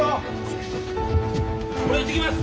俺行ってきます！